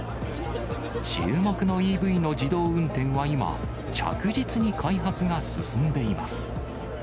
注目のＥＶの自動運転は、今、着実に開発が進んでいます。